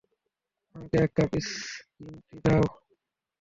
আমাকে এক cup green tea দাও।